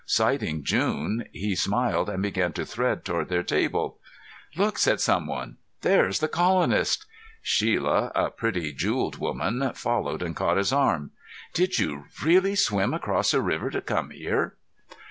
Sighting June, he smiled and began to thread toward their table. "Look!" said someone. "There's the colonist!" Shelia, a pretty, jeweled woman, followed and caught his arm. "Did you really swim across a river to come here?"